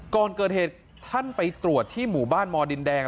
ก่อนเกิดเหตุท่านไปตรวจที่หมู่บ้านมดินแดง